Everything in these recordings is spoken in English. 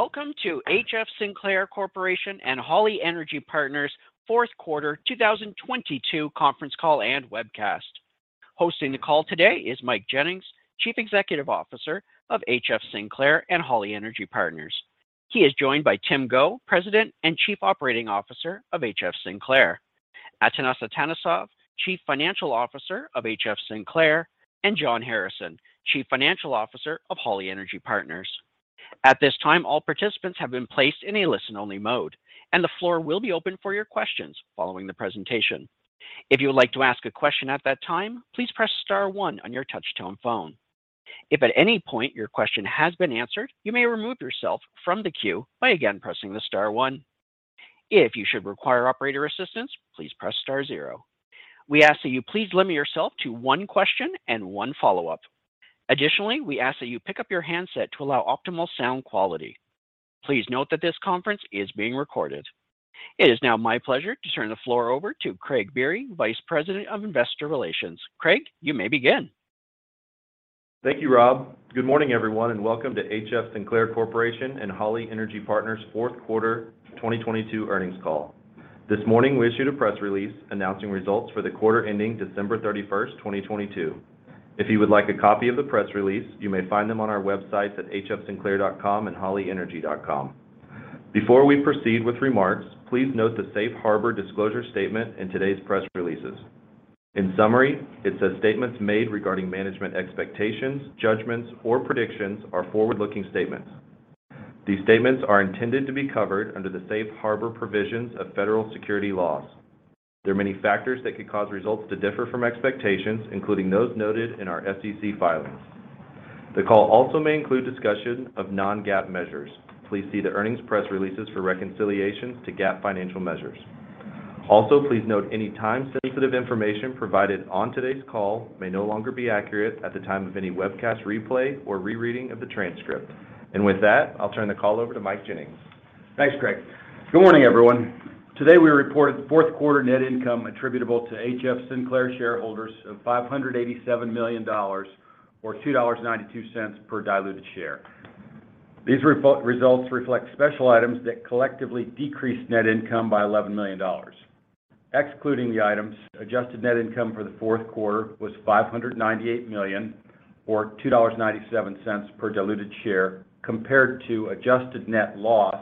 Welcome to HF Sinclair Corporation and Holly Energy Partners' fourth quarter 2022 conference call and webcast. Hosting the call today is Mike Jennings, Chief Executive Officer of HF Sinclair and Holly Energy Partners. He is joined by Tim Go, President and Chief Operating Officer of HF Sinclair, Atanas Atanasov, Chief Financial Officer of HF Sinclair, and John Harrison, Chief Financial Officer of Holly Energy Partners. At this time, all participants have been placed in a listen-only mode, and the floor will be open for your questions following the presentation. If you would like to ask a question at that time, please press star one on your touch-tone phone. If at any point your question has been answered, you may remove yourself from the queue by again pressing the star one. If you should require operator assistance, please press star zero. We ask that you please limit yourself to one question and one follow-up. Additionally, we ask that you pick up your handset to allow optimal sound quality. Please note that this conference is being recorded. It is now my pleasure to turn the floor over to Craig Biery, Vice President of Investor Relations. Craig, you may begin. Thank you, Rob. Good morning, everyone, and welcome to HF Sinclair Corporation and Holly Energy Partners' fourth quarter 2022 earnings call. This morning, we issued a press release announcing results for the quarter ending December 31st, 2022. If you would like a copy of the press release, you may find them on our websites at hfsinclair.com and hollyenergy.com. Before we proceed with remarks, please note the safe harbor disclosure statement in today's press releases. In summary, it says statements made regarding management expectations, judgments, or predictions are forward-looking statements. These statements are intended to be covered under the safe harbor provisions of federal security laws. The call also may include discussion of non-GAAP measures. Please see the earnings press releases for reconciliations to GAAP financial measures. Also, please note any time-sensitive information provided on today's call may no longer be accurate at the time of any webcast replay or rereading of the transcript. With that, I'll turn the call over to Mike Jennings. Thanks, Craig. Good morning, everyone. Today, we reported fourth quarter net income attributable to HF Sinclair shareholders of $587 million or $2.92 per diluted share. These results reflect special items that collectively decrease net income by $11 million. Excluding the items, adjusted net income for the fourth quarter was $598 million or $2.97 per diluted share compared to adjusted net loss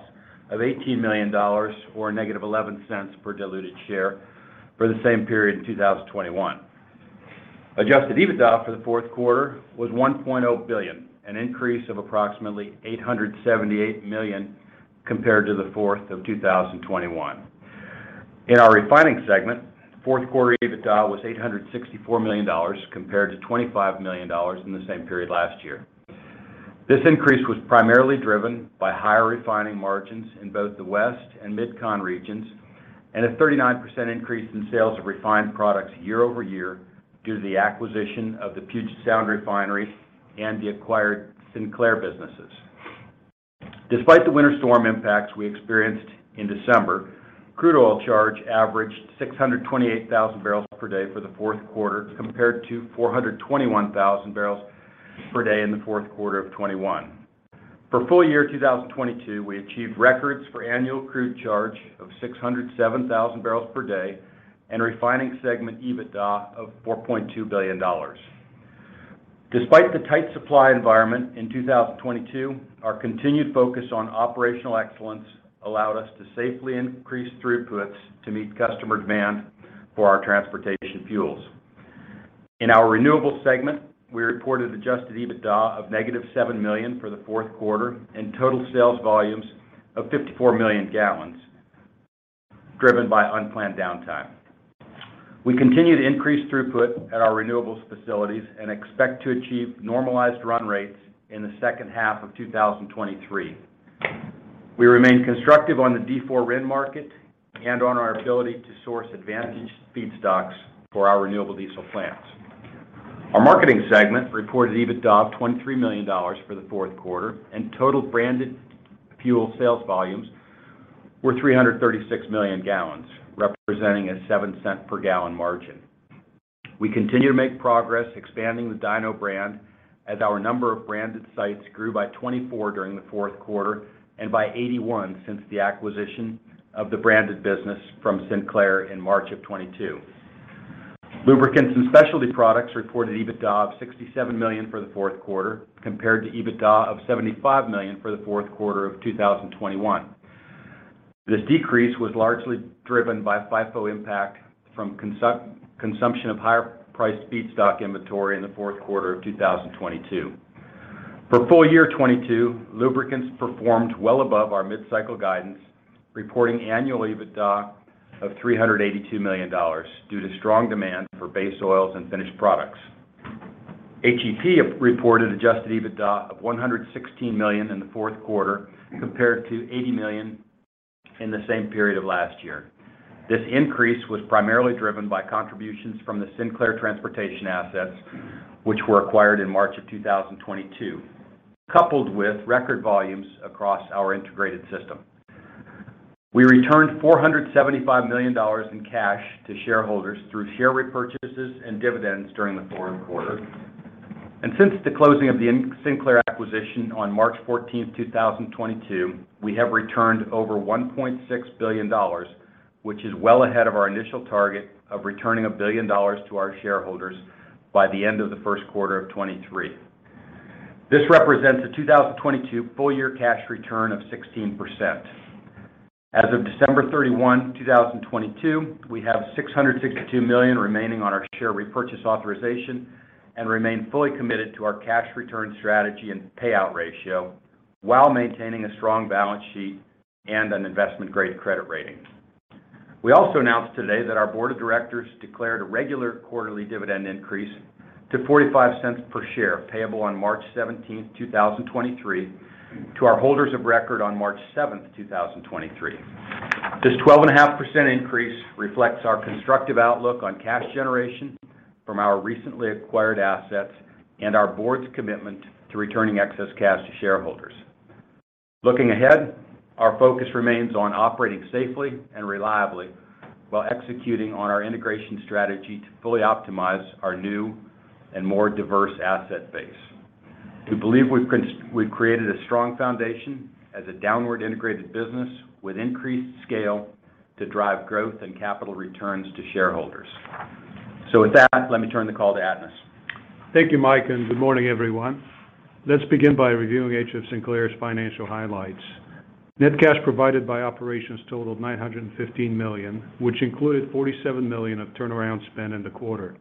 of $18 million or -$0.11 per diluted share for the same period in 2021. Adjusted EBITDA for the fourth quarter was $1.0 billion, an increase of approximately $878 million compared to the fourth of 2021. In our refining segment, fourth quarter EBITDA was $864 million compared to $25 million in the same period last year. This increase was primarily driven by higher refining margins in both the West and MidCon regions and a 39% increase in sales of refined products year-over-year due to the acquisition of the Puget Sound Refinery and the acquired Sinclair businesses. Despite the winter storm impacts we experienced in December, crude oil charge averaged 628,000 barrels per day for the fourth quarter compared to 421,000 barrels per day in the fourth quarter of 2021. For full year 2022, we achieved records for annual crude charge of 607,000 barrels per day and refining segment EBITDA of $4.2 billion. Despite the tight supply environment in 2022, our continued focus on operational excellence allowed us to safely increase throughputs to meet customer demand for our transportation fuels. In our renewables segment, we reported adjusted EBITDA of negative $7 million for the fourth quarter and total sales volumes of 54 million gallons driven by unplanned downtime. We continue to increase throughput at our renewables facilities and expect to achieve normalized run rates in the second half of 2023. We remain constructive on the D4 RIN market and on our ability to source advantaged feedstocks for our renewable diesel plants. Our marketing segment reported EBITDA of $23 million for the fourth quarter and total branded fuel sales volumes were 336 million gallons, representing a $0.07 per gallon margin. We continue to make progress expanding the DINO brand as our number of branded sites grew by 24 during the fourth quarter and by 81 since the acquisition of the branded business from Sinclair in March of 2022. Lubricants and specialty products reported EBITDA of $67 million for the fourth quarter compared to EBITDA of $75 million for the fourth quarter of 2021. This decrease was largely driven by FIFO impact from consumption of higher-priced feedstock inventory in the fourth quarter of 2022. For full year 2022, lubricants performed well above our mid-cycle guidance, reporting annual EBITDA of $382 million due to strong demand for base oils and finished products. HEP reported adjusted EBITDA of $116 million in the fourth quarter compared to $80 million in the same period of last year. This increase was primarily driven by contributions from the Sinclair transportation assets, which were acquired in March of 2022, coupled with record volumes across our integrated system. We returned $475 million in cash to shareholders through share repurchases and dividends during the fourth quarter. Since the closing of the Sinclair acquisition on March 14th, 2022, we have returned over $1.6 billion, which is well ahead of our initial target of returning $1 billion to our shareholders by the end of the first quarter of 2023. This represents a 2022 full year cash return of 16%. As of December 31, 2022, we have $662 million remaining on our share repurchase authorization and remain fully committed to our cash return strategy and payout ratio while maintaining a strong balance sheet and an investment-grade credit rating. We also announced today that our board of directors declared a regular quarterly dividend increase to $0.45 per share, payable on March 17, 2023, to our holders of record on March 7, 2023. This 12.5% increase reflects our constructive outlook on cash generation from our recently acquired assets and our board's commitment to returning excess cash to shareholders. Looking ahead, our focus remains on operating safely and reliably while executing on our integration strategy to fully optimize our new and more diverse asset base. We believe we've created a strong foundation as a downward integrated business with increased scale to drive growth and capital returns to shareholders. With that, let me turn the call to Atanas. Thank you, Mike, and good morning, everyone. Let's begin by reviewing HF Sinclair's financial highlights. Net cash provided by operations totaled $915 million, which included $47 million of turnaround spend in the quarter.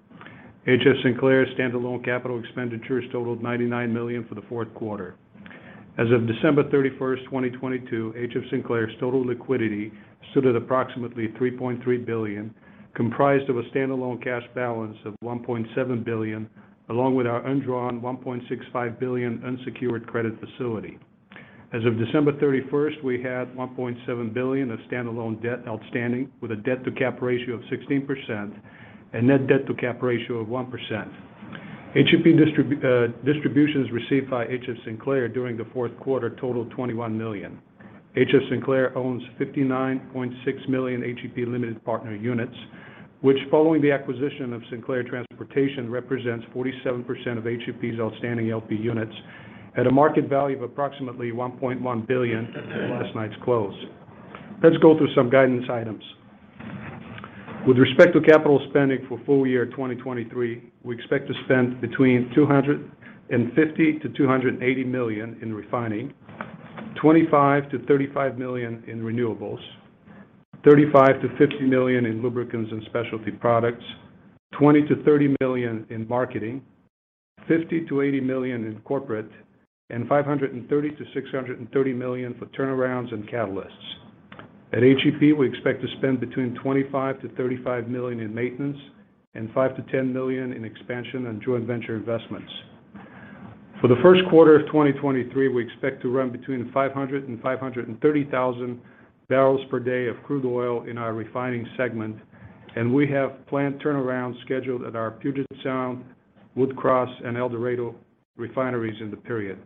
HF Sinclair's standalone capital expenditures totaled $99 million for the fourth quarter. As of December 31st, 2022, HF Sinclair's total liquidity stood at approximately $3.3 billion, comprised of a standalone cash balance of $1.7 billion, along with our undrawn $1.65 billion unsecured credit facility. As of December 31st, we had $1.7 billion of standalone debt outstanding, with a debt-to-cap ratio of 16% and net debt-to-cap ratio of 1%. HEP distributions received by HF Sinclair during the fourth quarter totaled $21 million. Sinclair owns $59.6 million HEP limited partner units, which, following the acquisition of Sinclair Transportation, represents 47% of HEP's outstanding LP units at a market value of approximately $1.1 billion at last night's close. Let's go through some guidance items. With respect to capital spending for full year 2023, we expect to spend between $250 -280 million in refining, $25-35 million in renewables, $35 -50 million in lubricants and specialty products, $20-30 million in marketing, $50-80 million in corporate, and $530-630 million for turnarounds and catalysts. At HEP, we expect to spend between $25 -35 million in maintenance and $5-10 million in expansion and joint venture investments. For the first quarter of 2023, we expect to run between 500,000-530,000 barrels per day of crude oil in our refining segment, and we have plant turnarounds scheduled at our Puget Sound, Woods Cross, and El Dorado refineries in the period.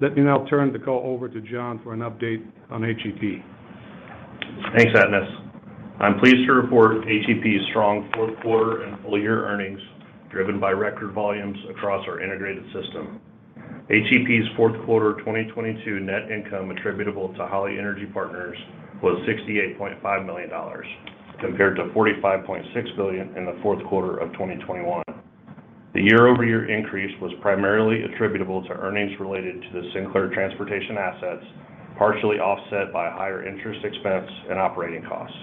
Let me now turn the call over to John for an update on HEP. Thanks, Atanas. I'm pleased to report HEP's strong fourth quarter and full year earnings, driven by record volumes across our integrated system. HEP's fourth quarter 2022 net income attributable to Holly Energy Partners was $68.5 million, compared to $45.6 billion in the fourth quarter of 2021. The year-over-year increase was primarily attributable to earnings related to the Sinclair Transportation assets, partially offset by higher interest expense and operating costs.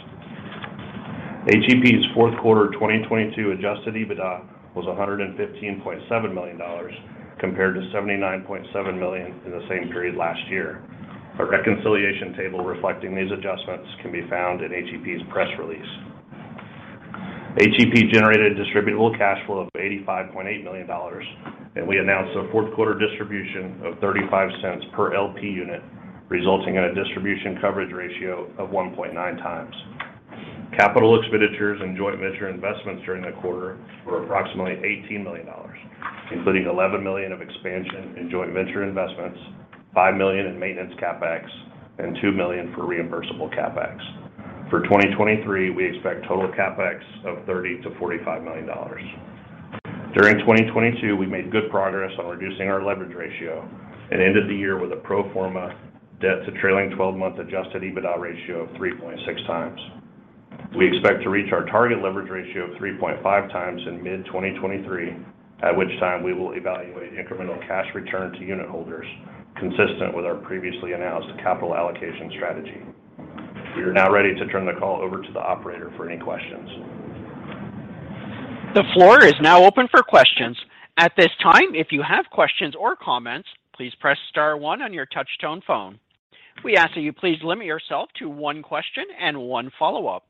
HEP's fourth quarter 2022 adjusted EBITDA was $115.7 million, compared to $79.7 million in the same period last year. A reconciliation table reflecting these adjustments can be found in HEP's press release. HEP generated distributable cash flow of $85.8 million, and we announced a fourth quarter distribution of $0.35 per LP unit, resulting in a distribution coverage ratio of 1.9 times. Capital expenditures and joint venture investments during the quarter were approximately $18 million, including $11 million of expansion in joint venture investments, $5 million in maintenance CapEx, and $2 million for reimbursable CapEx. For 2023, we expect total CapEx of $30-45 million. During 2022, we made good progress on reducing our leverage ratio and ended the year with a pro forma debt to trailing twelve-month adjusted EBITDA ratio of 3.6 times. We expect to reach our target leverage ratio of 3.5 times in mid-2023, at which time we will evaluate incremental cash return to unitholders, consistent with our previously announced capital allocation strategy. We are now ready to turn the call over to the operator for any questions. The floor is now open for questions. At this time, if you have questions or comments, please press star one on your touchtone phone. We ask that you please limit yourself to one question and one follow-up.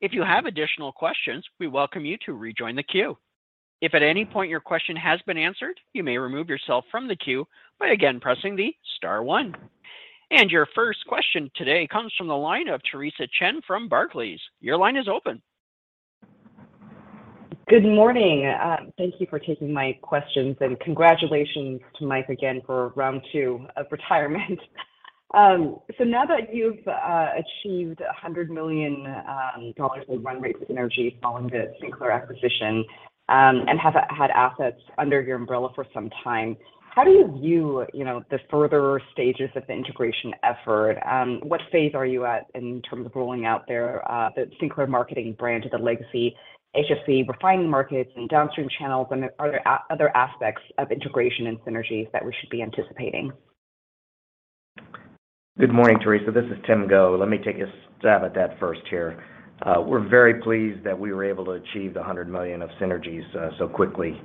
If you have additional questions, we welcome you to rejoin the queue. If at any point your question has been answered, you may remove yourself from the queue by again pressing the star one. Your first question today comes from the line of Theresa Chen from Barclays. Your line is open. Good morning. Thank you for taking my questions, and congratulations to Mike Jennings again for round two of retirement. Now that you've achieved $100 million of run rate synergies following the Sinclair acquisition, and have had assets under your umbrella for some time, how do you view, you know, the further stages of the integration effort? What phase are you at in terms of rolling out their the Sinclair marketing brand to the legacy HFC refining markets and downstream channels? Are there other aspects of integration and synergies that we should be anticipating? Good morning, Theresa. This is Tim Go. Let me take a stab at that first here. We're very pleased that we were able to achieve the $100 million of synergies so quickly,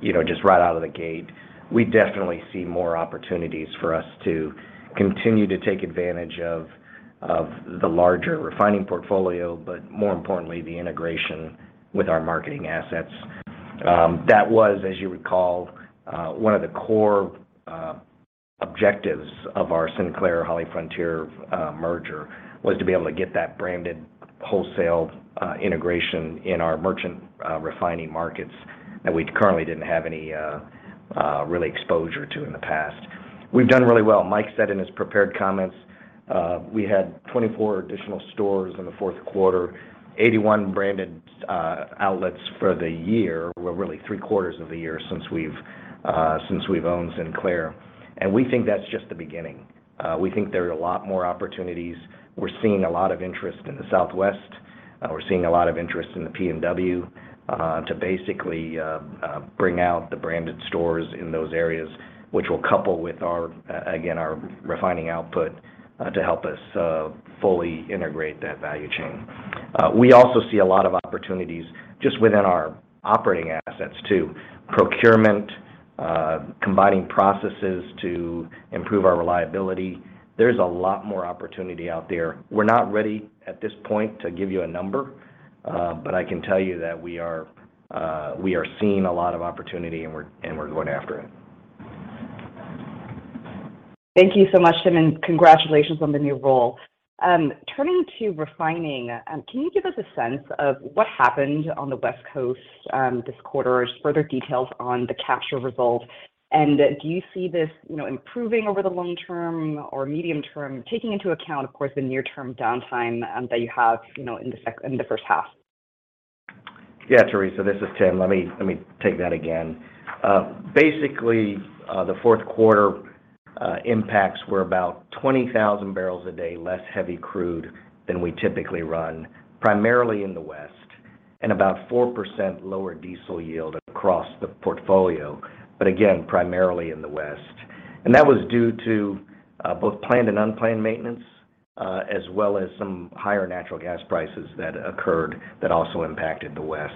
you know, just right out of the gate. We definitely see more opportunities for us to continue to take advantage of the larger refining portfolio, but more importantly, the integration with our marketing assets. That was, as you recall, one of the core objectives of our Sinclair/HollyFrontier merger was to be able to get that branded wholesale integration in our merchant refining markets that we currently didn't have any really exposure to in the past. We've done really well. Mike said in his prepared comments, we had 24 additional stores in the fourth quarter, 81 branded outlets for the year. We're really three-quarters of the year since we've owned Sinclair. We think that's just the beginning. We think there are a lot more opportunities. We're seeing a lot of interest in the Southwest. We're seeing a lot of interest in the PNW to basically bring out the branded stores in those areas, which will couple with our again, our refining output to help us fully integrate that value chain. We also see a lot of opportunities just within our operating assets too. Procurement, combining processes to improve our reliability. There's a lot more opportunity out there. We're not ready at this point to give you a number, but I can tell you that we are seeing a lot of opportunity, and we're going after it. Thank you so much, Tim, and congratulations on the new role. Turning to refining, can you give us a sense of what happened on the West Coast, this quarter? Further details on the capture results. Do you see this, you know, improving over the long term or medium term, taking into account, of course, the near-term downtime, that you have, you know, in the first half? Yeah, Theresa, this is Tim. Let me take that again. Basically, the fourth quarter impacts were about 20,000 barrels a day less heavy crude than we typically run, primarily in the West, about 4% lower diesel yield across the portfolio. Again, primarily in the West. That was due to both planned and unplanned maintenance, as well as some higher natural gas prices that occurred that also impacted the West.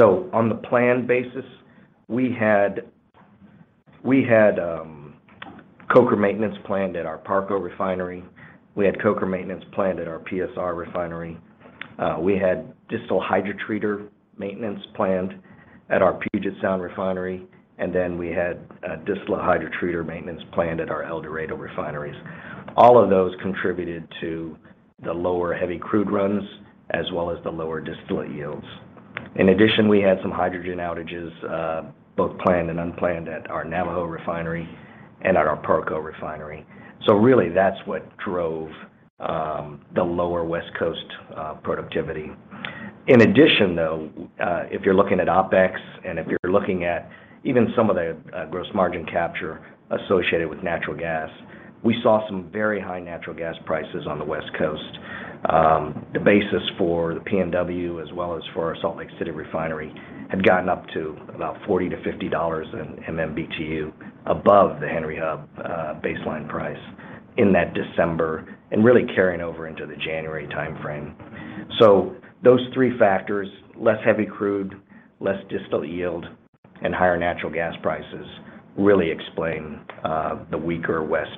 On the planned basis, we had coker maintenance planned at our Parco refinery. We had coker maintenance planned at our PSR refinery. We had distillate hydrotreater maintenance planned at our Puget Sound refinery. We had a distillate hydrotreater maintenance planned at our El Dorado refineries. All of those contributed to the lower heavy crude runs as well as the lower distillate yields. In addition, we had some hydrogen outages, both planned and unplanned at our Navajo refinery and at our Parco refinery. Really, that's what drove the lower West Coast productivity. In addition, though, if you're looking at OpEx and if you're looking at even some of the gross margin capture associated with natural gas, we saw some very high natural gas prices on the West Coast. The basis for the PNW, as well as for our Salt Lake City refinery, had gotten up to about $40-$50 per MMBtu above the Henry Hub baseline price in that December and really carrying over into the January timeframe. Those three factors, less heavy crude, less distillate yield, and higher natural gas prices really explain the weaker West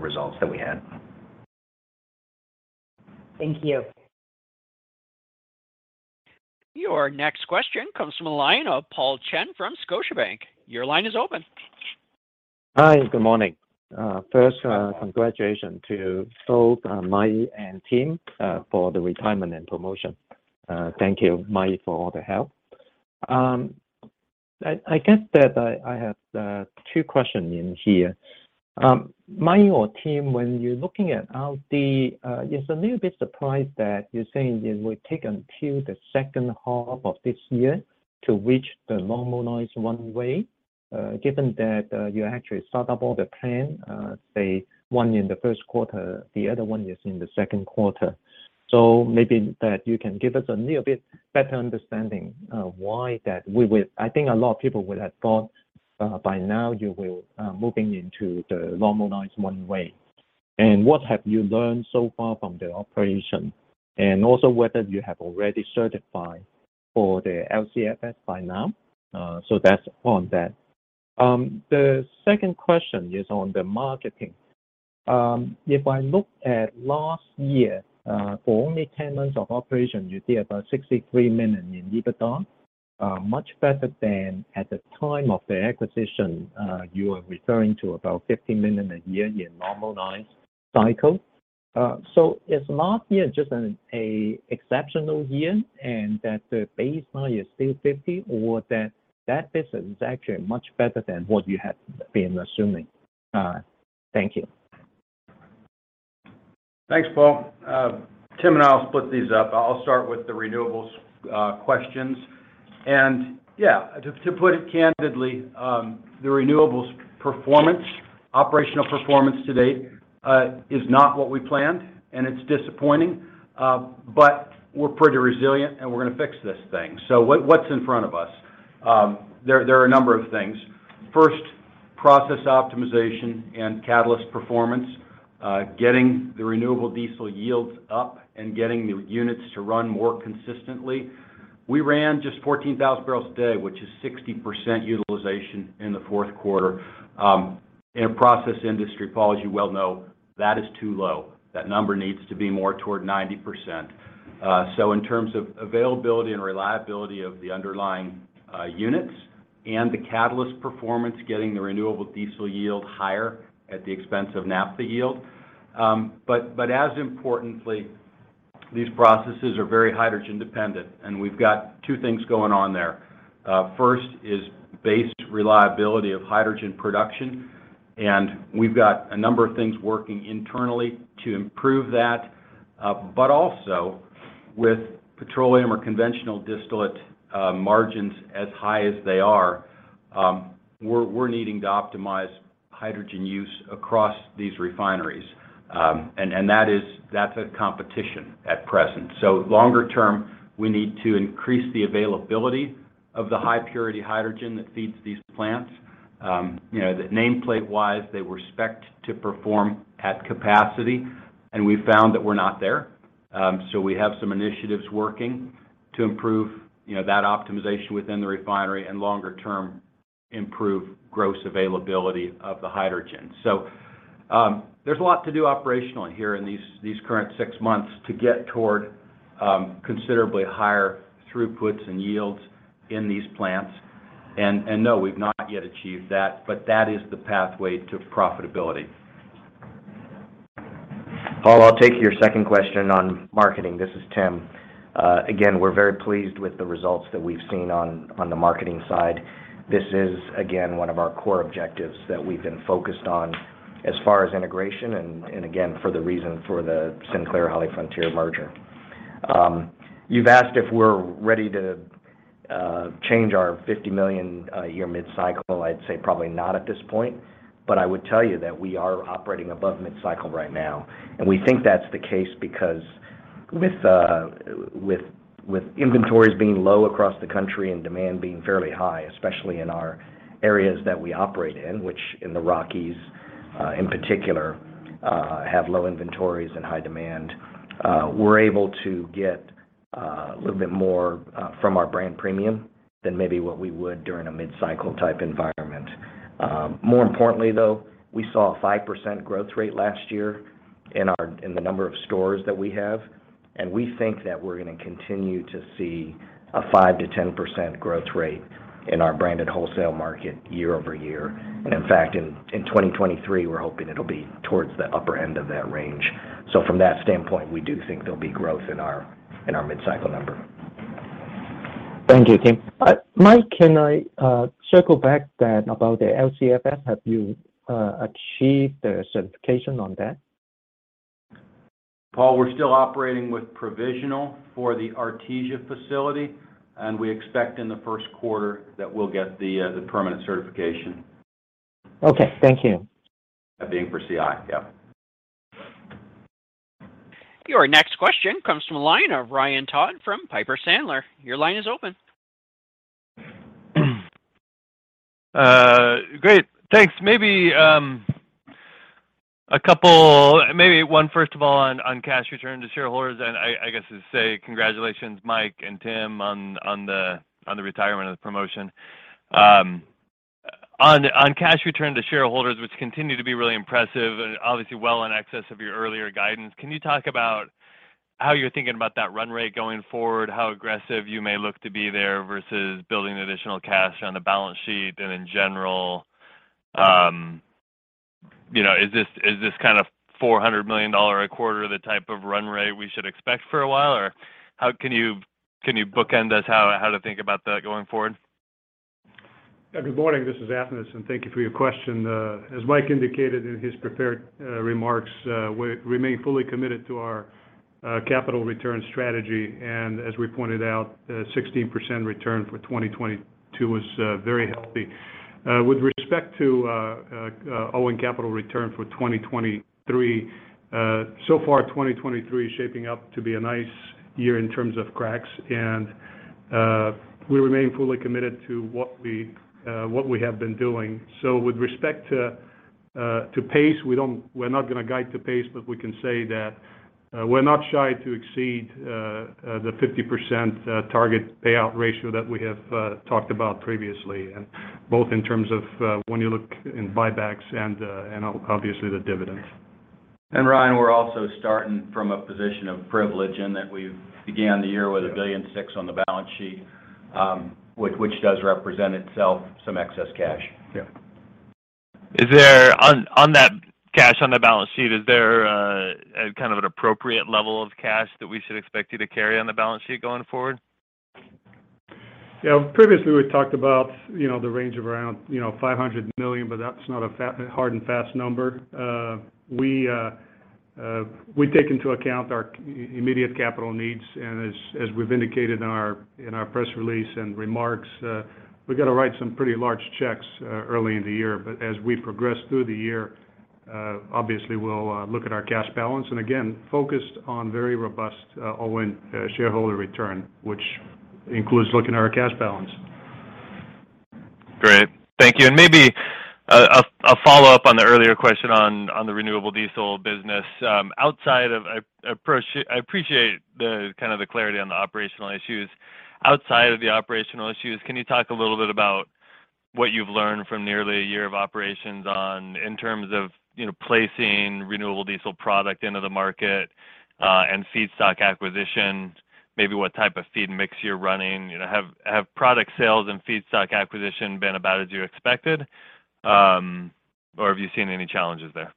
results that we had. Thank you. Your next question comes from the line of Paul Cheng from Scotiabank. Your line is open. Hi, good morning. First, congratulations to both Mai and Tim for the retirement and promotion. Thank you, Mai, for all the help. I guess that I have two questions in here. Mike or Tim, when you're looking at LD, it's a little bit surprised that you're saying it will take until the second half of this year to reach the normalized run rate, given that you actually start up all the plan, say one in the first quarter, the other one is in the second quarter. Maybe that you can give us a little bit better understanding of why that we would. I think a lot of people would have thought by now you will moving into the normalized run rate. What have you learned so far from the operation? Also whether you have already certified for the LCFS by now? So that's on that. The second question is on the marketing. If I look at last year, for only 10 months of operation, you see about $63 million in EBITDA. Much better than at the time of the acquisition, you are referring to about $50 million a year in normalized cycle. So is last year just an exceptional year and that the base now is still $50 or that business is actually much better than what you had been assuming? Thank you. Thanks, Paul. Tim and I will split these up. I'll start with the renewables questions. Yeah, to put it candidly, the renewables operational performance to date is not what we planned, and it's disappointing. We're pretty resilient, and we're gonna fix this thing. What's in front of us? There are a number of things. First, process optimization and catalyst performance, getting the renewable diesel yields up and getting the units to run more consistently. We ran just 14,000 barrels a day, which is 60% utilization in the fourth quarter. In a process industry, Paul, as you well know, that is too low. That number needs to be more toward 90%. In terms of availability and reliability of the underlying units and the catalyst performance, getting the renewable diesel yield higher at the expense of naphtha yield. As importantly, these processes are very hydrogen-dependent, and we've got two things going on there. First is base reliability of hydrogen production, and we've got a number of things working internally to improve that. Also with petroleum or conventional distillate margins as high as they are, we're needing to optimize hydrogen use across these refineries. That is a competition at present. Longer term, we need to increase the availability of the high-purity hydrogen that feeds these plants. You know, the nameplate-wise, they were specced to perform at capacity, and we found that we're not there. We have some initiatives working to improve, you know, that optimization within the refinery and longer-term improve gross availability of the hydrogen. There's a lot to do operationally here in these current six months to get toward considerably higher throughputs and yields in these plants. No, we've not yet achieved that, but that is the pathway to profitability. Paul Cheng, I'll take your second question on marketing. This is Tim Go. Again, we're very pleased with the results that we've seen on the marketing side. This is, again, one of our core objectives that we've been focused on as far as integration and again, for the reason for the Sinclair/HollyFrontier merger. You've asked if we're ready to change our $50 million year mid-cycle. I'd say probably not at this point, but I would tell you that we are operating above mid-cycle right now. We think that's the case because with inventories being low across the country and demand being fairly high, especially in our areas that we operate in, which in the Rockies, in particular, have low inventories and high demand, we're able to get a little bit more from our brand premium than maybe what we would during a mid-cycle type environment. More importantly, though, we saw a 5% growth rate last year in the number of stores that we have, and we think that we're gonna continue to see a 5%-10% growth rate in our branded wholesale market year-over-year. In fact, in 2023, we're hoping it'll be towards the upper end of that range. From that standpoint, we do think there'll be growth in our mid-cycle number. Thank you, Tim. Mike, can I circle back then about the LCFS? Have you achieved the certification on that? Paul, we're still operating with provisional for the Artesia facility, and we expect in the first quarter that we'll get the permanent certification. Okay. Thank you. That being for CI, yeah. Your next question comes from the line of Ryan Todd from Piper Sandler. Your line is open. Great. Thanks. Maybe one first of all on cash return to shareholders, I guess just say congratulations, Mike and Tim, on the retirement and the promotion. On cash return to shareholders, which continue to be really impressive and obviously well in excess of your earlier guidance, can you talk about how you're thinking about that run rate going forward, how aggressive you may look to be there versus building additional cash on the balance sheet? In general, you know, is this kind of $400 million a quarter the type of run rate we should expect for a while? Or can you bookend us how to think about that going forward? Yeah. Good morning. This is Atanas. Thank you for your question. As Mike indicated in his prepared remarks, we remain fully committed to our capital return strategy. As we pointed out, 16% return for 2022 was very healthy. With respect to owing capital return for 2023, so far, 2023 is shaping up to be a nice year in terms of cracks and we remain fully committed to what we have been doing. With respect to pace, we're not gonna guide to pace, but we can say that, we're not shy to exceed, the 50%, target payout ratio that we have, talked about previously, and both in terms of, when you look in buybacks and, obviously the dividends. Ryan, we're also starting from a position of privilege in that we began the year with $1.6 billion on the balance sheet, which does represent itself some excess cash. Yeah. On that cash on the balance sheet, is there a kind of an appropriate level of cash that we should expect you to carry on the balance sheet going forward? Yeah. Previously, we talked about, you know, the range of around, you know, $500 million, but that's not a hard and fast number. We take into account our immediate capital needs, and as we've indicated in our, in our press release and remarks, we've got to write some pretty large checks early in the year. As we progress through the year, obviously we'll look at our cash balance. Again, focused on very robust OIN shareholder return, which includes looking at our cash balance. Great. Thank you. Maybe a follow-up on the earlier question on the renewable diesel business. Outside of... I appreciate the kind of the clarity on the operational issues. Outside of the operational issues, can you talk a little bit about what you've learned from nearly a year of operations on, in terms of, you know, placing renewable diesel product into the market, and feedstock acquisition? Maybe what type of feed mix you're running? You know, have product sales and feedstock acquisition been about as you expected, or have you seen any challenges there?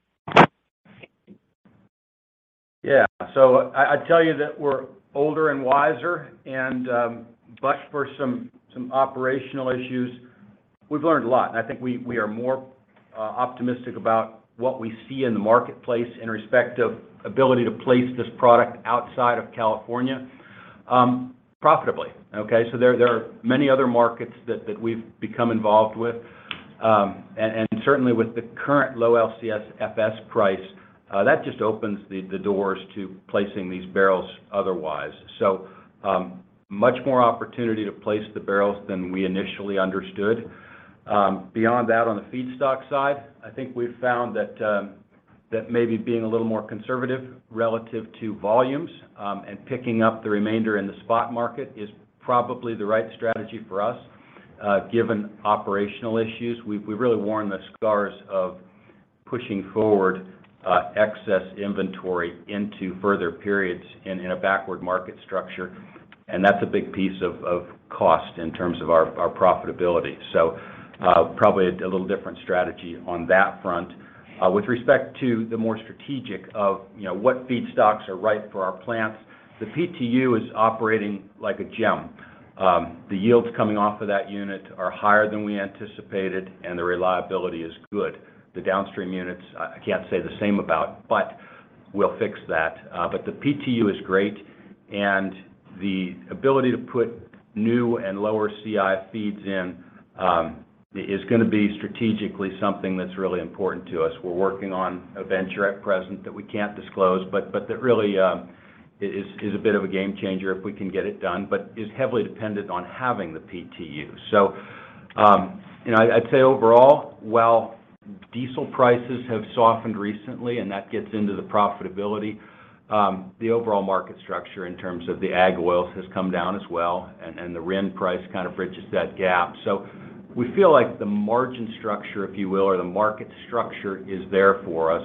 Yeah. I tell you that we're older and wiser and, but for some operational issues, we've learned a lot. I think we are more optimistic about what we see in the marketplace in respect of ability to place this product outside of California, profitably, okay? There, there are many other markets that we've become involved with. And certainly, with the current low LCFS price, that just opens the doors to placing these barrels otherwise. Much more opportunity to place the barrels than we initially understood. Beyond that, on the feedstock side, I think we've found that maybe being a little more conservative relative to volumes, and picking up the remainder in the spot market is probably the right strategy for us, given operational issues. We've really worn the scars of pushing forward, excess inventory into further periods in a backward market structure, and that's a big piece of cost in terms of our profitability. Probably a little different strategy on that front. With respect to the more strategic of, you know, what feedstocks are right for our plants, the PTU is operating like a gem. The yields coming off of that unit are higher than we anticipated, and the reliability is good. The downstream units, I can't say the same about, but we'll fix that. But the PTU is great, and the ability to put new and lower CI feeds in is gonna be strategically something that's really important to us. We're working on a venture at present that we can't disclose, but that really is a bit of a game changer if we can get it done, but is heavily dependent on having the PTU. You know, I'd say overall, while diesel prices have softened recently and that gets into the profitability, the overall market structure in terms of the ag oils has come down as well, and the RIN price kind of bridges that gap. We feel like the margin structure, if you will, or the market structure is there for us.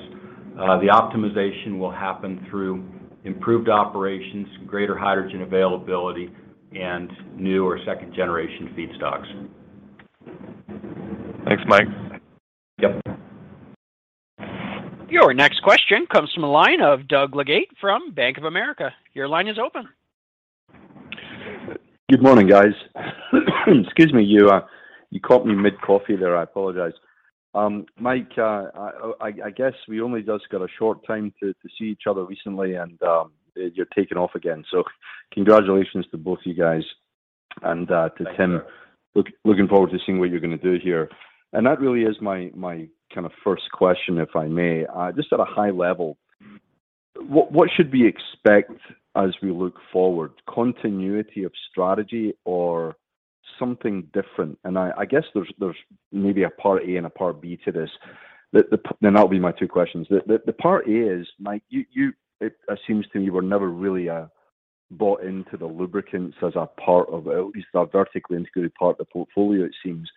The optimization will happen through improved operations, greater hydrogen availability, and new or second-generation feedstocks. Thanks, Mike. Yep. Your next question comes from the line of Doug Leggate from Bank of America. Your line is open. Good morning, guys. Excuse me. You caught me mid-coffee there. I apologize. Mike, I guess we only just got a short time to see each other recently, and you're taking off again. Congratulations to both of you guys. Thanks, Doug. To Tim, looking forward to seeing what you're gonna do here. That really is my kind of first question, if I may. Just at a high level, what should we expect as we look forward? Continuity of strategy or something different? I guess there's maybe a part A and a part B to this. That'll be my two questions. The part A is, Mike, it seems to me you were never really bought into the lubricants as a part of, at least a vertically integrated part of the portfolio, it seems.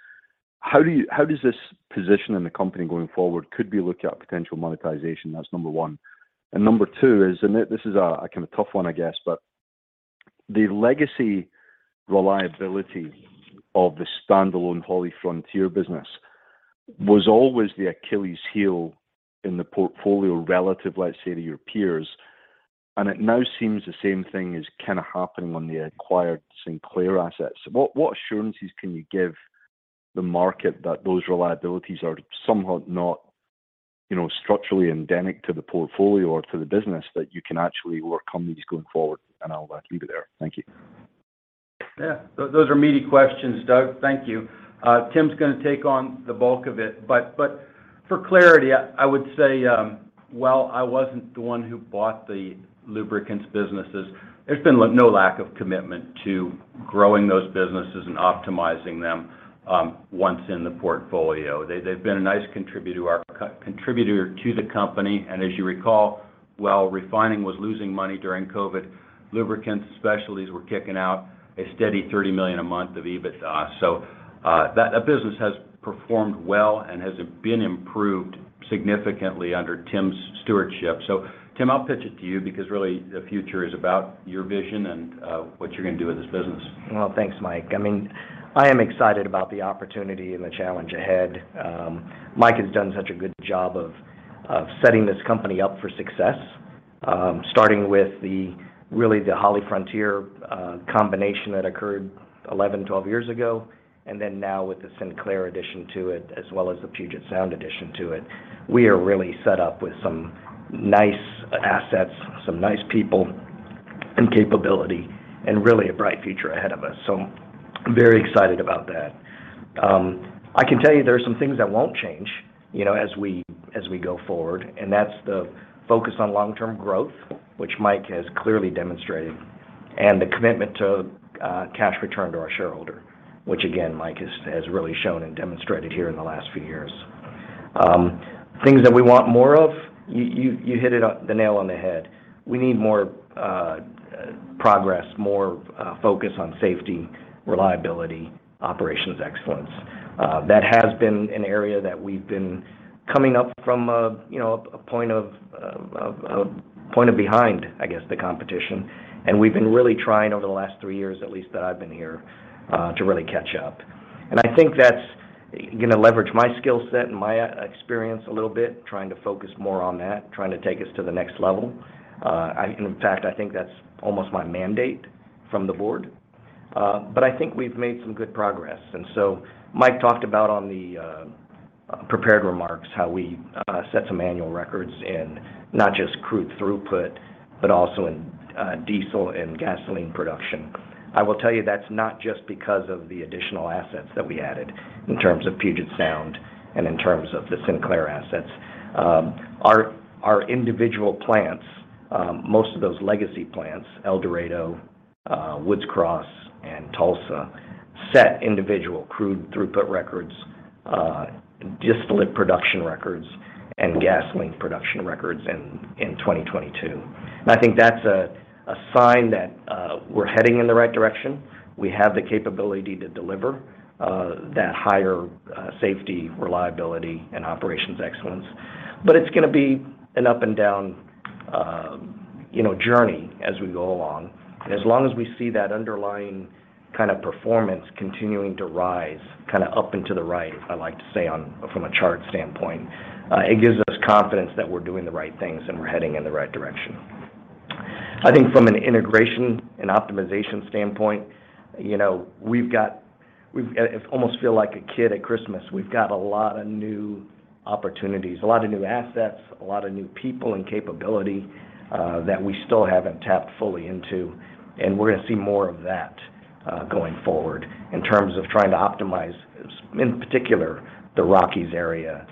How does this position in the company going forward could be looking at potential monetization? That's number one. Number two is, and this is, a kind of tough one, I guess, but the legacy reliability of the standalone HollyFrontier business was always the Achilles heel in the portfolio relative, let's say, to your peers. It now seems the same thing is kind of happening on the acquired Sinclair assets. What assurances can you give the market that those reliabilities are somehow not, you know, structurally endemic to the portfolio or to the business that you can actually work on these going forward? I'll leave it there. Thank you. Yeah. Those are meaty questions, Doug. Thank you. Tim's gonna take on the bulk of it. For clarity, I would say, while I wasn't the one who bought the lubricants businesses, there's been no lack of commitment to growing those businesses and optimizing them once in the portfolio. They've been a nice contributor to the company. As you recall, while refining was losing money during COVID, lubricants and specialties were kicking out a steady $30 million a month of EBITDA. That business has performed well and has been improved significantly under Tim's stewardship. Tim, I'll pitch it to you because really the future is about your vision and what you're gonna do with this business. Thanks, Mike. I mean, I am excited about the opportunity and the challenge ahead. Mike has done such a good job of setting this company up for success, starting with really the HollyFrontier combination that occurred 11, 12 years ago, and then now with the Sinclair addition to it as well as the Puget Sound addition to it. We are really set up with some nice assets, some nice people and capability, and really a bright future ahead of us, I'm very excited about that. I can tell you there are some things that won't change, you know, as we go forward, and that's the focus on long-term growth, which Mike has clearly demonstrated, and the commitment to cash return to our shareholder, which again, Mike has really shown and demonstrated here in the last few years. Things that we want more of, you hit the nail on the head. We need more progress, more focus on safety, reliability, operations excellence. That has been an area that we've been coming up from a, you know, a point of behind, I guess, the competition. We've been really trying over the last three years, at least that I've been here, to really catch up. I think that's gonna leverage my skill set and my experience a little bit, trying to focus more on that, trying to take us to the next level. In fact, I think that's almost my mandate from the Board. I think we've made some good progress. Mike talked about on the prepared remarks how we set some annual records in not just crude throughput, but also in diesel and gasoline production. I will tell you that's not just because of the additional assets that we added in terms of Puget Sound and in terms of the Sinclair assets. Our individual plants, most of those legacy plants, El Dorado, Woods Cross, and Tulsa, set individual crude throughput records, distillate production records, and gasoline production records in 2022. I think that's a sign that we're heading in the right direction. We have the capability to deliver that higher safety, reliability, and operations excellence. It's gonna be an up and down, you know, journey as we go along. As long as we see that underlying kind of performance continuing to rise, kind of up and to the right, I like to say from a chart standpoint, it gives us confidence that we're doing the right things and we're heading in the right direction. I think from an integration and optimization standpoint, you know, we've got, it's almost feel like a kid at Christmas. We've got a lot of new opportunities, a lot of new assets, a lot of new people and capability that we still haven't tapped fully into, and we're gonna see more of that going forward in terms of trying to optimize, in particular, the Rockies area.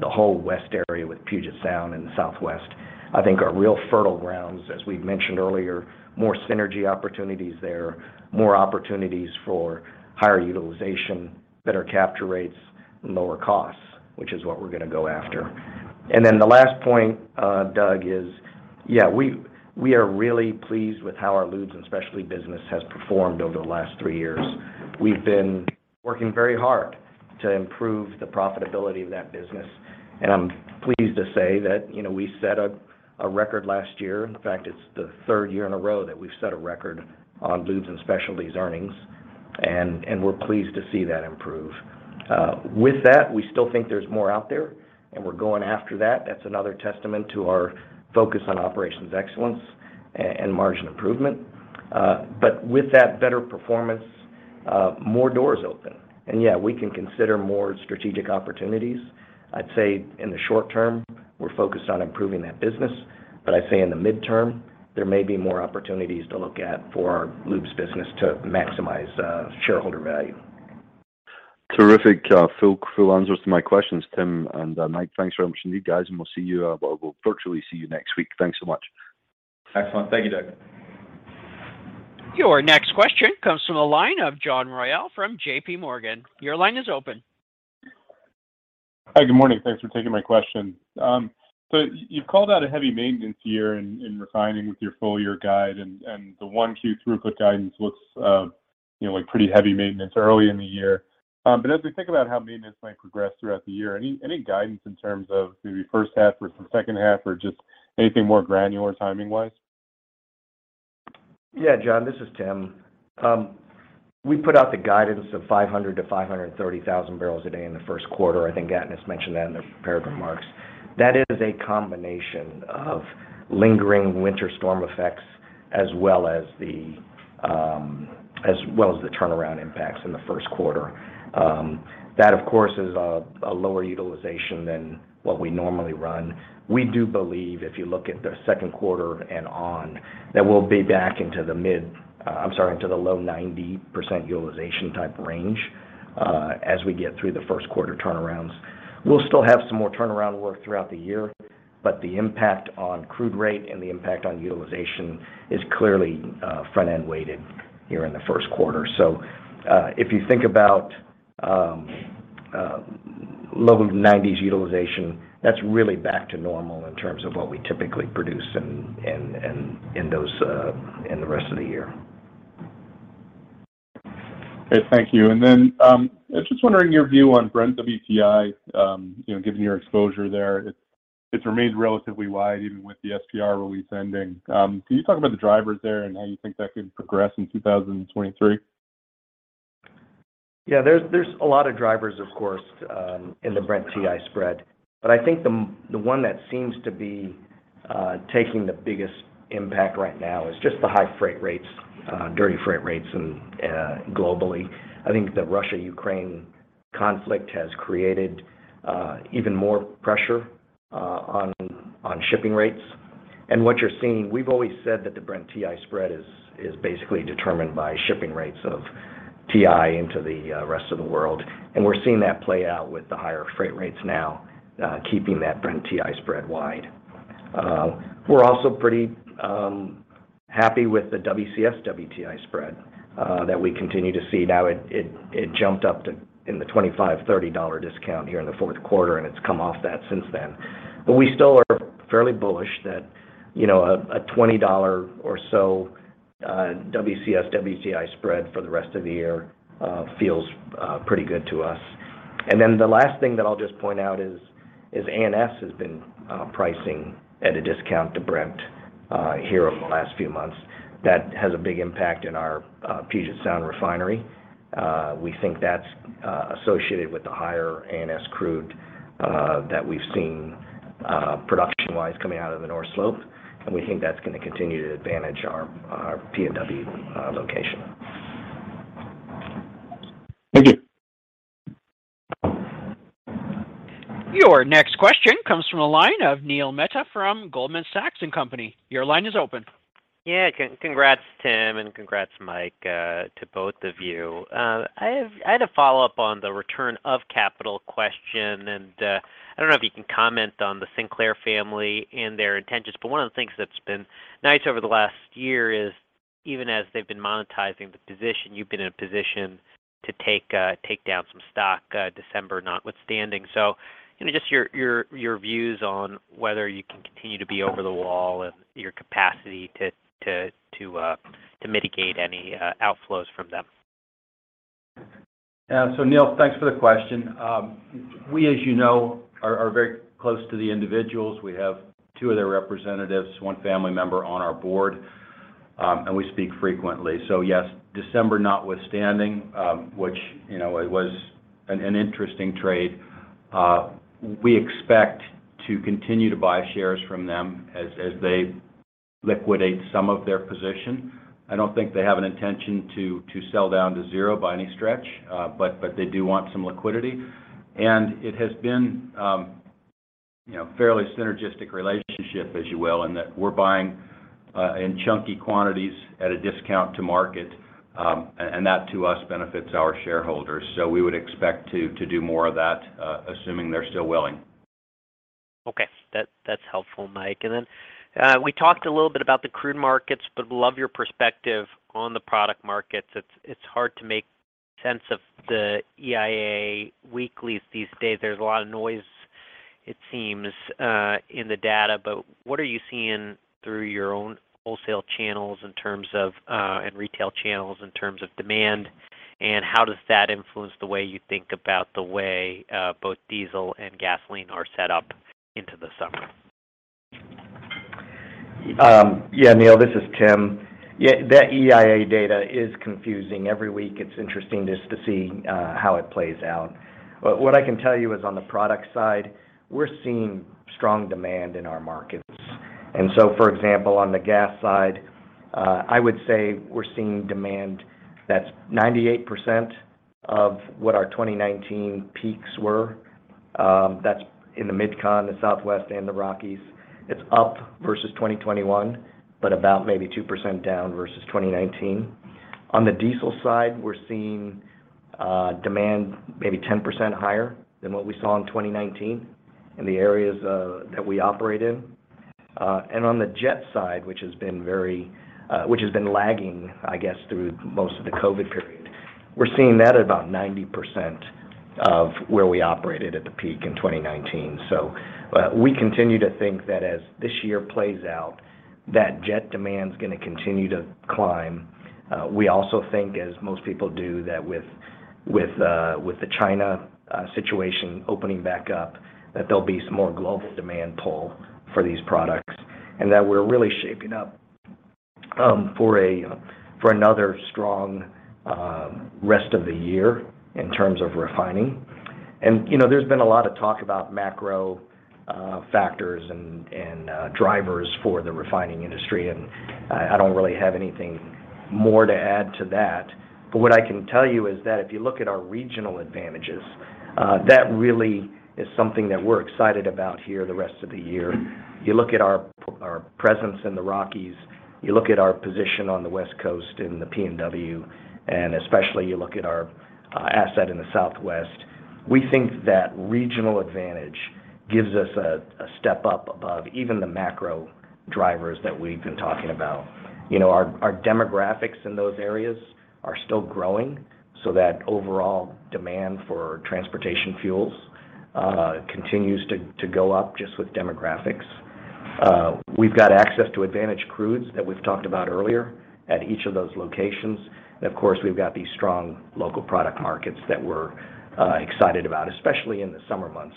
The whole west area with Puget Sound and Southwest, I think, are real fertile grounds, as we've mentioned earlier, more synergy opportunities there, more opportunities for higher utilization, better capture rates, and lower costs, which is what we're gonna go after. The last point, Doug, is, we are really pleased with how our lubes and specialty business has performed over the last three years. We've been working very hard to improve the profitability of that business, and I'm pleased to say that, you know, we set a record last year. In fact, it's the third year in a row that we've set a record on lubes and specialties earnings, and we're pleased to see that improve. With that, we still think there's more out there, and we're going after that. That's another testament to our focus on operations excellence and margin improvement. With that better performance, more doors open, and yeah, we can consider more strategic opportunities. I'd say in the short term, we're focused on improving that business, but I'd say in the mid term, there may be more opportunities to look at for our lubes business to maximize shareholder value. Terrific, full answers to my questions, Tim and Mike. Thanks very much indeed, guys, and we'll see you, we'll virtually see you next week. Thanks so much. Excellent. Thank you, Doug. Your next question comes from the line of John Royall from JP Morgan. Your line is open. Hi. Good morning. Thanks for taking my question. You've called out a heavy maintenance year in refining with your full year guide and the 1 Q throughput guidance looks, you know, like pretty heavy maintenance early in the year. As we think about how maintenance might progress throughout the year, any guidance in terms of maybe first half versus second half or just anything more granular timing-wise? John, this is Tim. We put out the guidance of 500,000-530,000 barrels a day in the first quarter. I think Atanas mentioned that in the prepared remarks. That is a combination of lingering winter storm effects as well as the turnaround impacts in the first quarter. That, of course, is a lower utilization than what we normally run. We do believe if you look at the second quarter and on that we'll be back into the low 90% utilization type range as we get through the first quarter turnarounds. We'll still have some more turnaround work throughout the year, but the impact on crude rate and the impact on utilization is clearly front-end weighted here in the first quarter. If you think about, low 90s utilization, that's really back to normal in terms of what we typically produce in those in the rest of the year. Okay, thank you. I was just wondering your view on Brent WTI, you know, given your exposure there. It's remained relatively wide even with the SPR release ending. Can you talk about the drivers there and how you think that could progress in 2023? There's a lot of drivers, of course, in the Brent-WTI spread. I think the one that seems to be taking the biggest impact right now is just the high freight rates, dirty freight rates and globally. I think the Russia-Ukraine conflict has created even more pressure on shipping rates. We've always said that the Brent-WTI spread is basically determined by shipping rates of WTI into the rest of the world, and we're seeing that play out with the higher freight rates now, keeping that Brent-WTI spread wide. We're also pretty happy with the WCS WTI spread that we continue to see now. It jumped up to in the $25-$30 discount here in the fourth quarter, and it's come off that since then. We still are fairly bullish that, you know, a $20 or so WCS WTI spread for the rest of the year feels pretty good to us. The last thing that I'll just point out is ANS has been pricing at a discount to Brent here over the last few months. That has a big impact in our Puget Sound refinery. We think that's associated with the higher ANS crude that we've seen production-wise coming out of the North Slope, and we think that's gonna continue to advantage our PNW location. Thank you. Your next question comes from the line of Neil Mehta from Goldman Sachs & Co. Your line is open. Yeah. Congrats, Tim, and congrats, Mike, to both of you. I had a follow-up on the return of capital question. I don't know if you can comment on the Sinclair family and their intentions. One of the things that's been nice over the last year is even as they've been monetizing the position, you've been in a position to take down some stock, December notwithstanding. You know, just your views on whether you can continue to be over the wall and your capacity to mitigate any outflows from them? Neil, thanks for the question. We, as you know, are very close to the individuals. We have two of their representatives, one family member on our board, and we speak frequently. Yes, December notwithstanding, which, you know, it was an interesting trade, we expect to continue to buy shares from them as they liquidate some of their position. I don't think they have an intention to sell down to zero by any stretch, but they do want some liquidity. And it has been, you know, fairly synergistic relationship, as you will, in that we're buying in chunky quantities at a discount to market, and that to us benefits our shareholders. We would expect to do more of that, assuming they're still willing. Okay. That, that's helpful, Mike. We talked a little bit about the crude markets, but love your perspective on the product markets. It's, it's hard to make sense of the EIA weeklies these days. There's a lot of noise, it seems, in the data, but what are you seeing through your own wholesale channels in terms of, and retail channels in terms of demand, and how does that influence the way you think about the way, both diesel and gasoline are set up into the summer? Yeah, Neil. This is Tim Go. Yeah. That EIA data is confusing. Every week, it's interesting just to see how it plays out. What I can tell you is on the product side, we're seeing strong demand in our markets. For example, on the gas side, I would say we're seeing demand that's 98% of what our 2019 peaks were. That's in the MidCon, the Southwest, and the Rockies. It's up versus 2021, but about maybe 2% down versus 2019. On the diesel side, we're seeing demand maybe 10% higher than what we saw in 2019 in the areas that we operate in. On the jet side, which has been lagging, I guess, through most of the COVID period, we're seeing that at about 90% of where we operated at the peak in 2019. We continue to think that as this year plays out, that jet demand's gonna continue to climb. We also think, as most people do, that with the China situation opening back up, that there'll be some more global demand pull for these products and that we're really shaping up for another strong rest of the year in terms of refining. You know, there's been a lot of talk about macro factors and drivers for the refining industry, and I don't really have anything more to add to that. What I can tell you is that if you look at our regional advantages, that really is something that we're excited about here the rest of the year. You look at our presence in the Rockies, you look at our position on the West Coast in the PNW, and especially you look at our asset in the Southwest, we think that regional advantage gives us a step up above even the macro drivers that we've been talking about. You know, our demographics in those areas are still growing, so that overall demand for transportation fuels continues to go up just with demographics. We've got access to advantage crudes that we've talked about earlier at each of those locations. Of course, we've got these strong local product markets that we're excited about, especially in the summer months,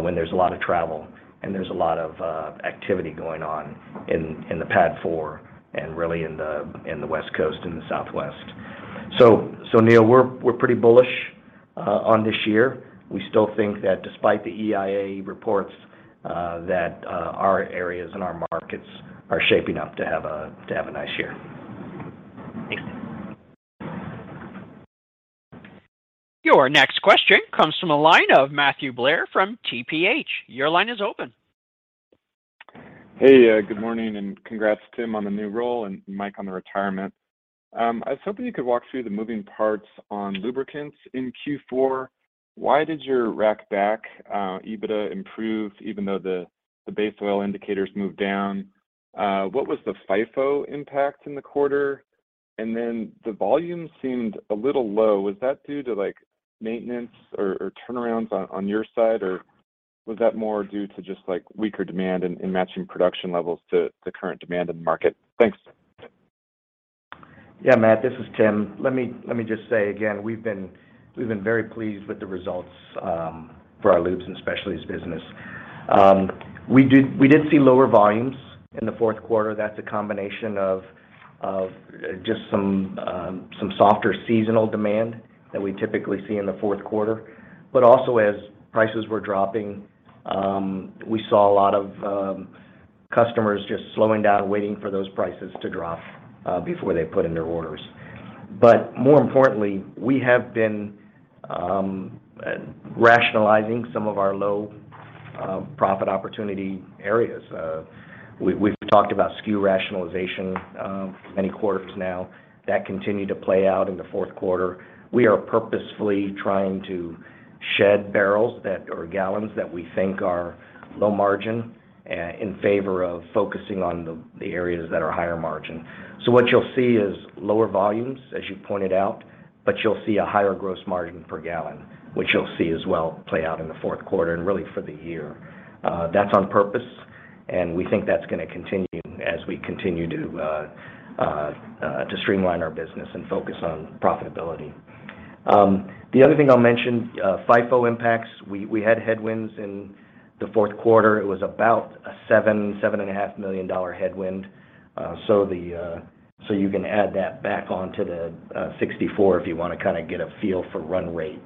when there's a lot of travel and there's a lot of activity going on in the pad 4 and really in the West Coast and the Southwest. Neil, we're pretty bullish on this year. We still think that despite the EIA reports, that our areas and our markets are shaping up to have a, to have a nice year. Your next question comes from a line of Matthew Blair from TPH&Co.. Your line is open. Good morning and congrats, Tim, on the new role and Mike on the retirement. I was hoping you could walk through the moving parts on lubricants in Q4. Why did your rack back EBITDA improve even though the base oil indicators moved down? What was the FIFO impact in the quarter? The volume seemed a little low. Was that due to, like, maintenance or turnarounds on your side, or was that more due to just, like, weaker demand and matching production levels to the current demand in the market? Thanks. Matt, this is Tim. Let me just say again, we've been very pleased with the results for our lubes and specialties business. We did see lower volumes in the fourth quarter. That's a combination of just some softer seasonal demand that we typically see in the fourth quarter. Also, as prices were dropping, we saw a lot of customers just slowing down and waiting for those prices to drop before they put in their orders. More importantly, we have been rationalizing some of our low profit opportunity areas. We've talked about SKU rationalization many quarters now. That continued to play out in the fourth quarter. We are purposefully trying to shed barrels that... or gallons that we think are low margin in favor of focusing on the areas that are higher margin. What you'll see is lower volumes, as you pointed out, but you'll see a higher gross margin per gallon, which you'll see as well play out in the fourth quarter and really for the year. That's on purpose, and we think that's gonna continue as we continue to streamline our business and focus on profitability. The other thing I'll mention, FIFO impacts. We had headwinds in the fourth quarter. It was about a $7.5 million headwind. So you can add that back on to the $64 if you wanna kind of get a feel for run rate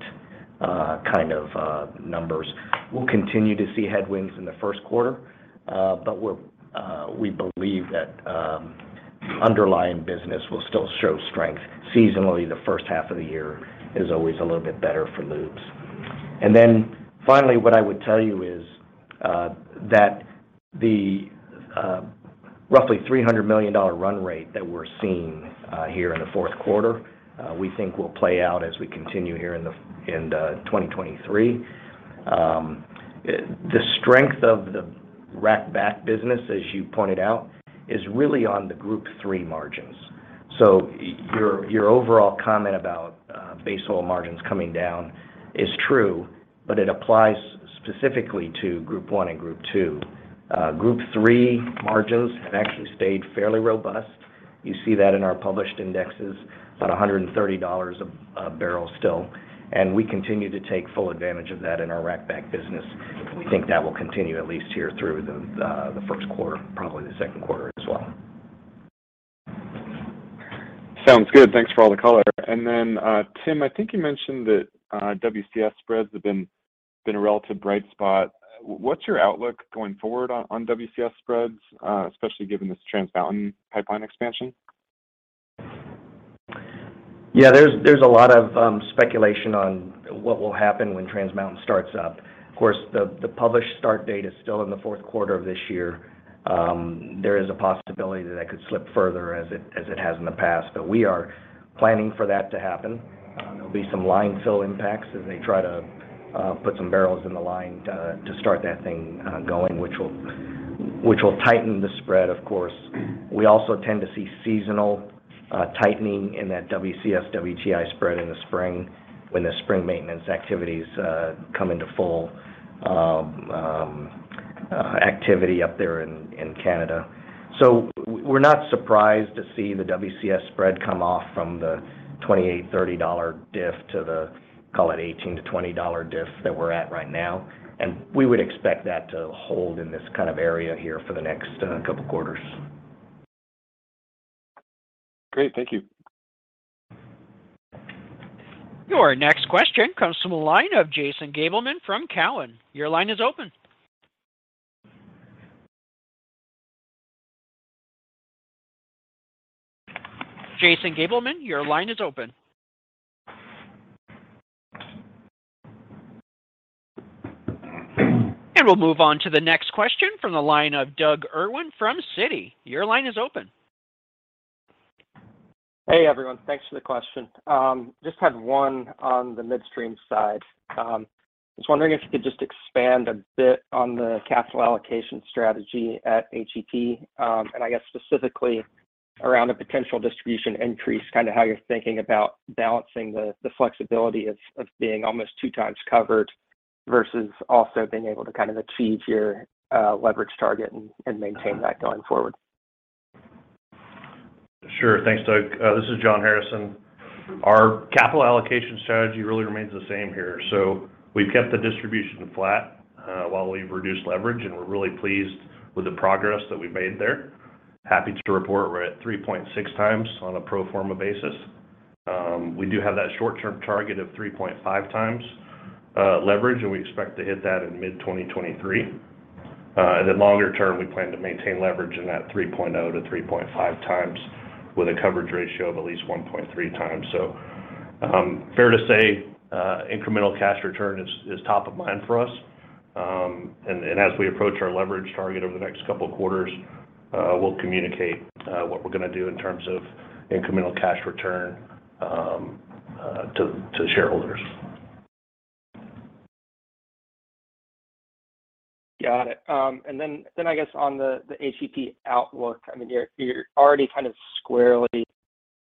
kind of numbers. We'll continue to see headwinds in the first quarter, but we believe that underlying business will still show strength. Seasonally, the first half of the year is always a little bit better for lubes. Finally, what I would tell you is that the roughly $300 million run rate that we're seeing here in the fourth quarter, we think will play out as we continue here in 2023. The strength of the rack back business, as you pointed out, is really on the group three margins. Your overall comment about base oil margins coming down is true, but it applies specifically to group one and group two. Group three margins have actually stayed fairly robust. You see that in our published indexes, about $130 a barrel still. We continue to take full advantage of that in our rack back business. We think that will continue at least here through the first quarter, probably the second quarter as well. Sounds good. Thanks for all the color. Tim, I think you mentioned that WCS spreads have been a relative bright spot. What's your outlook going forward on WCS spreads, especially given this Trans Mountain Expansion Project? Yeah. There's a lot of speculation on what will happen when Trans Mountain starts up. Of course, the published start date is still in the fourth quarter of this year. There is a possibility that could slip further as it has in the past, but we are planning for that to happen. There'll be some line fill impacts as they try to put some barrels in the line to start that thing going, which will tighten the spread, of course. We also tend to see seasonal tightening in that WCS-WTI spread in the spring when the spring maintenance activities come into full activity up there in Canada. We're not surprised to see the WCS spread come off from the $28-$30 diff to the, call it $18-$20 diff that we're at right now. We would expect that to hold in this kind of area here for the next, couple quarters. Great. Thank you. Your next question comes from a line of Jason Gabelman from Cowen. Your line is open. We'll move on to the next question from the line of Doug Irwin from Citi. Your line is open. Hey, everyone. Thanks for the question. Just had one on the midstream side. I was wondering if you could just expand a bit on the capital allocation strategy at HEP. I guess specifically around a potential distribution increase, kind of how you're thinking about balancing the flexibility of being almost two times covered versus also being able to achieve your leverage target and maintain that going forward. Sure. Thanks, Doug. This is John Harrison. Our capital allocation strategy really remains the same here. We've kept the distribution flat while we've reduced leverage, and we're really pleased with the progress that we've made there. Happy to report we're at 3.6 times on a pro forma basis. We do have that short-term target of 3.5 times leverage, and we expect to hit that in mid-2023. Then longer term, we plan to maintain leverage in that 3.0-3.5 times with a coverage ratio of at least 1.3 times. Fair to say, incremental cash return is top of mind for us. As we approach our leverage target over the next couple of quarters, we'll communicate what we're gonna do in terms of incremental cash return to shareholders. Got it. I guess on the HEP outlook, I mean, you're already kind of squarely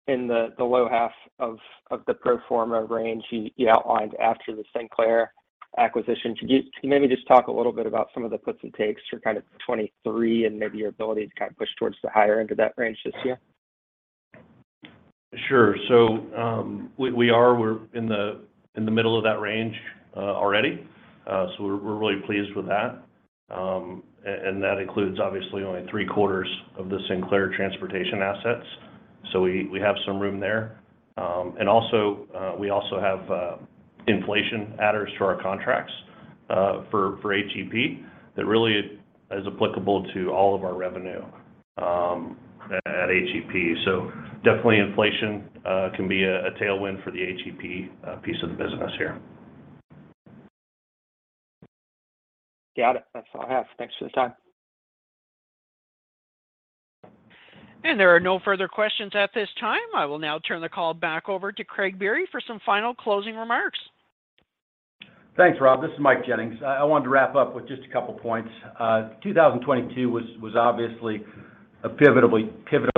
in the low half of the pro forma range you outlined after the Sinclair acquisition. Could you maybe just talk a little bit about some of the puts and takes for 2023 and maybe your ability to kind of push towards the higher end of that range this year? Sure. We're in the middle of that range already. We're really pleased with that. That includes obviously only three-quarters of the Sinclair transportation assets, so we have some room there. Also, we also have inflation adders to our contracts for HEP that really is applicable to all of our revenue at HEP. Definitely inflation can be a tailwind for the HEP piece of the business here. Got it. That's all I have. Thanks for the time. There are no further questions at this time. I will now turn the call back over to Craig Biery for some final closing remarks. Thanks, Rob. This is Mike Jennings. I wanted to wrap up with just a couple points. 2022 was obviously a pivotal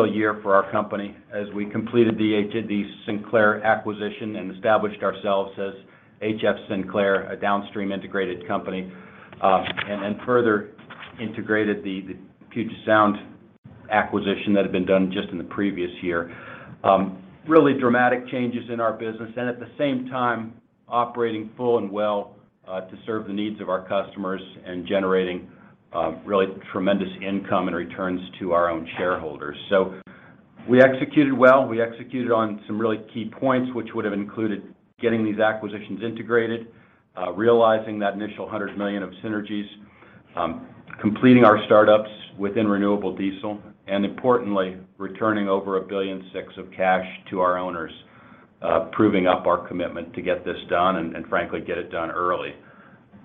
year for our company as we completed the Sinclair acquisition and established ourselves as HF Sinclair, a downstream integrated company, and further integrated the Puget Sound acquisition that had been done just in the previous year. Really dramatic changes in our business and at the same time, operating full and well, to serve the needs of our customers and generating really tremendous income and returns to our own shareholders. We executed well. We executed on some really key points, which would have included getting these acquisitions integrated, realizing that initial $100 million of synergies, completing our startups within Renewable Diesel, and importantly, returning over $1.6 billion of cash to our owners, proving up our commitment to get this done and frankly, get it done early.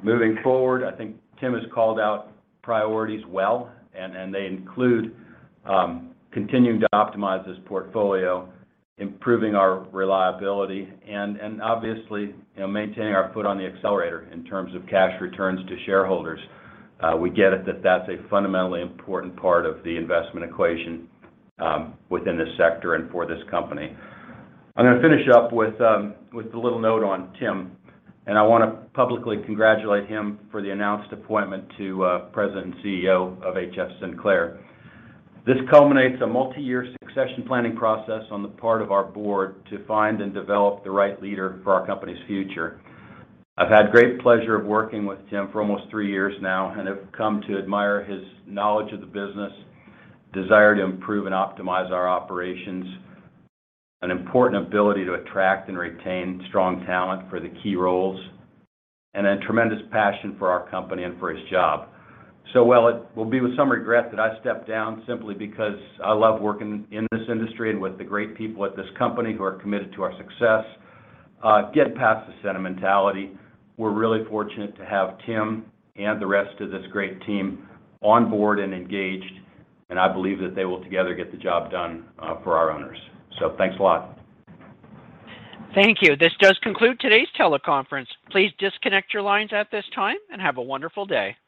Moving forward, I think Tim has called out priorities well, and they include continuing to optimize this portfolio, improving our reliability, and obviously, you know, maintaining our foot on the accelerator in terms of cash returns to shareholders. We get it that's a fundamentally important part of the investment equation within this sector and for this company. I'm gonna finish up with a little note on Tim, and I wanna publicly congratulate him for the announced appointment to, President and CEO of HF Sinclair. This culminates a multi-year succession planning process on the part of our board to find and develop the right leader for our company's future. I've had great pleasure of working with Tim for almost three years now and have come to admire his knowledge of the business, desire to improve and optimize our operations, an important ability to attract and retain strong talent for the key roles, and a tremendous passion for our company and for his job. While it will be with some regret that I step down simply because I love working in this industry and with the great people at this company who are committed to our success, get past the sentimentality. We're really fortunate to have Tim and the rest of this great team on board and engaged. I believe that they will together get the job done, for our owners. Thanks a lot. Thank you. This does conclude today's teleconference. Please disconnect your lines at this time, and have a wonderful day.